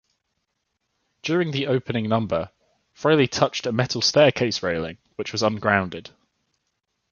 During the opening number, Frehley touched a metal staircase railing, which was ungrounded.